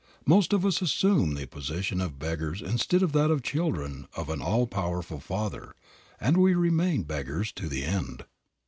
Most of us assume the position of beggars instead of that of children of an all powerful Father, and we remain beggars to the end.